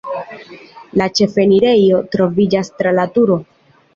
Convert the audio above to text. La ĉefenirejo troviĝas tra la turo.